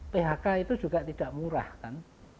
phk itu juga tidak murah kan